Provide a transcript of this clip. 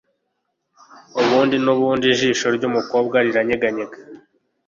ubundi nubundi ijisho ryumukobwa riranyeganyega